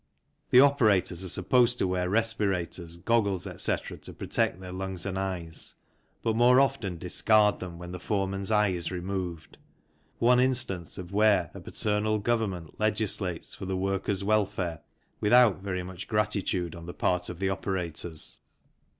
The operators are supposed to wear respirators, goggles, etc., to protect their lungs and eyes, but more often discard them when the foreman's eye is removed one instance of where a paternal Government legislates for the workers' welfare without very much gratitude on the part of the operators.